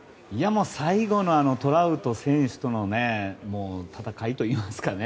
最後のトラウト選手との戦いといいますかね